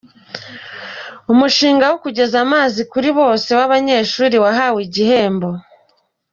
Umushinga wo kugeza amazi kuri bose w’abanyeshuri wahawe igihembo